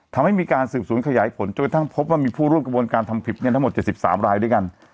ทำให้มีการสืบสวนขยายผลจนกระทั่งพบว่ามีผู้ร่วมกระบวนการทำผิดทั้งหมด๗๓รายด้วยกัน